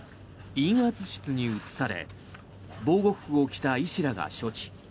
陰圧室に移され防護服を着た医師らが処置。